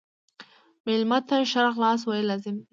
مېلمه ته ښه راغلاست ویل لازم دي.